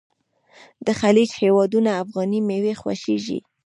د خلیج هیوادونه افغاني میوې خوښوي.